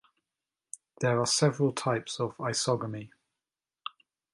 There are several types of isogamy.